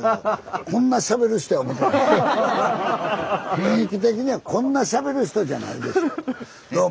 雰囲気的にはこんなしゃべる人じゃないでしょ。